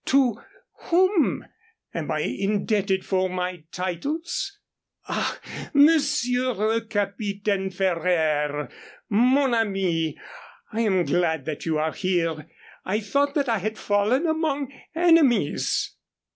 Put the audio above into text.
To whom am I indebted for my titles? Ah, Monsieur le Capitaine Ferraire, mon ami, I am glad that you are here. I thought that I had fallen among enemies."